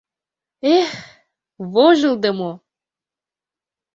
Эх, вожылдымо!